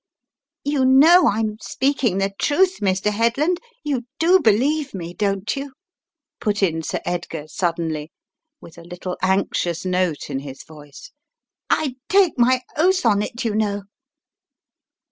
"You know I'm speaking the truth, Mr. Head land, you do believe me, don't you?" put in Sir Edgar, suddenly, with a little anxious note in his voice. "I'd take my oath on it, you know."